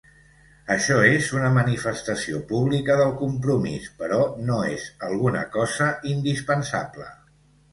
Això és una manifestació pública del compromís però no és alguna cosa indispensable.